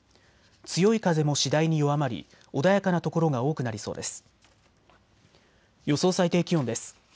強い風も次第に弱まり穏やかな所が多くなりそうです。